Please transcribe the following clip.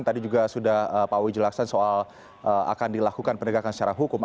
tadi juga sudah pak awi jelaskan soal akan dilakukan penegakan secara hukum